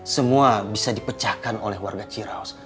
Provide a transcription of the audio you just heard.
semua bisa dipecahkan oleh warga ciraus